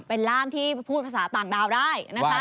เป็นร่ามที่พูดภาษาต่างดาวได้นะคะ